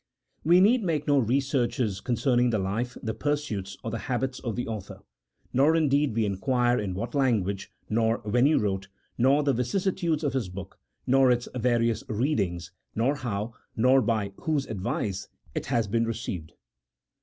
We need make no researches con cerning the life, the pursuits, or the habits of the author ; nor need we inquire in what language, nor when he wrote, nor the vicissitudes of his book, nor its various readings, nor how, nor by whose advice it has been received.